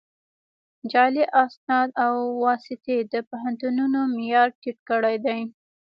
جعلي اسناد او واسطې د پوهنتونونو معیار ټیټ کړی دی